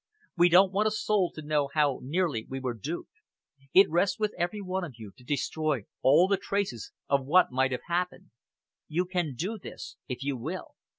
We don't want a soul to know how nearly we were duped. It rests with every one of you to destroy all the traces of what might have happened. You can do this if you will.